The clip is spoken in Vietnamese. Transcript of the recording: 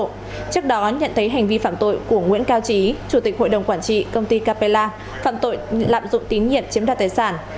trước đó nhận thấy hành vi phạm tội của nguyễn cao trí chủ tịch hội đồng quản trị công ty capella phạm tội lạm dụng tín nhiệm chiếm đoạt tài sản